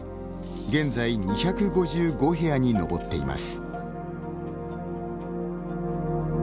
現在２５５部屋に上っています。